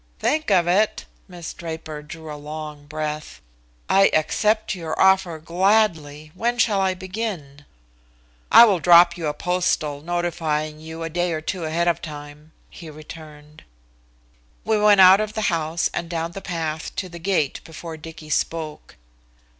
"Think of it?" Miss Draper drew a long breath. "I accept your offer gladly. When shall I begin?" "I will drop you a postal, notifying you a day or two ahead of time," he returned. We went out of the house and down the path to the gate before Dicky spoke.